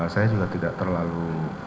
saya juga tidak terlalu